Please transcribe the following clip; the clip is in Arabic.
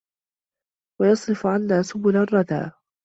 وَيَصْرِفَ عَنَّا سُبُلَ الرَّدَى